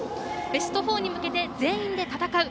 ベスト４に向けて全員で戦う。